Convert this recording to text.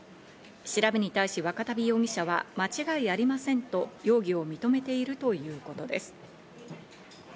調べに対し若旅容疑者は間違いありませんと容疑を認めているということです。